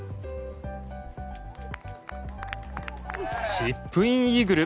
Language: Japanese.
チップインイーグル。